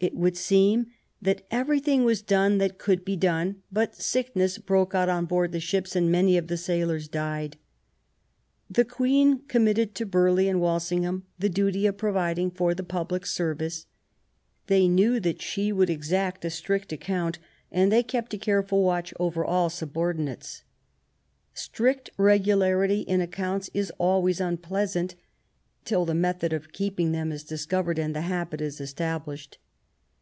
It would seem that everything was done that could be done; but sickness broke out on board the ships, and many of THE CRISIS. 237 the sailors died. The Queen committed to Burghley and Walsingham the duty of providing for the public service. They knew that she would exact a strict account, and they kept a careful watch over all subordinates. Strict regularity in accounts is always unpleasant, till the method of keeping them is dis covered and the habit is established.